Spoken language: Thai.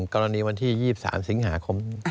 กรณีวันที่๒๓สิงหาคม